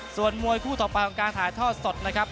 ส่วนมวยคู่ต่อไปของการถ่ายทอดสดนะครับ